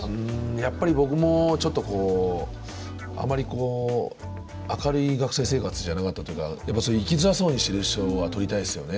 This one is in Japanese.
やっぱり僕もちょっとこうあまり明るい学生生活じゃなかったというかやっぱりそういう生きづらそうにしてる人は撮りたいですよね。